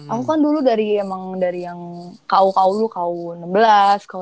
aku kan dulu emang dari yang ku ku lu ku enam belas ku delapan belas